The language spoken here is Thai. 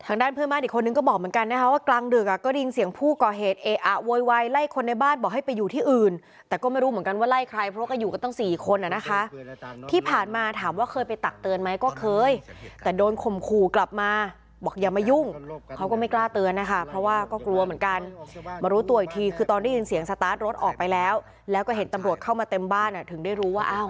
ทางด้านเพื่อนบ้านอีกคนนึงก็บอกเหมือนกันนะครับว่ากลางดึกอ่ะก็ได้ยินเสียงผู้ก่อเหตุเอะอะโวยวายไล่คนในบ้านบอกให้ไปอยู่ที่อื่นแต่ก็ไม่รู้เหมือนกันว่าไล่ใครเพราะก็อยู่ก็ตั้งสี่คนอ่ะนะคะที่ผ่านมาถามว่าเคยไปตักเตือนไหมก็เคยแต่โดนข่มขู่กลับมาบอกอย่ามายุ่งเขาก็ไม่กล้าเตือนนะคะเพราะว่าก็กลัวเหมือนกันมาร